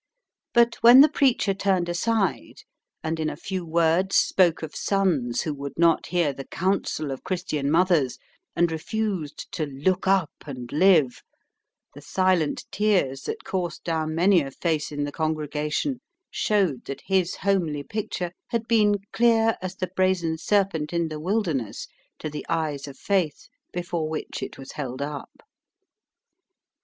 But when the preacher turned aside, and in a few words spoke of sons who would not hear the counsel of Christian mothers and refused to "look up and live," the silent tears that coursed down many a face in the congregation showed that his homely picture had been clear as the brazen serpent in the Wilderness to the eyes of faith before which it was held up.